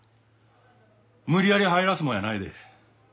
無理やり入らすもんやないで。